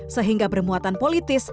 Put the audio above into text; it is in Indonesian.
sehingga bermuatan politis